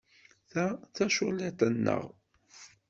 Ta d taculliḍt-nneɣ.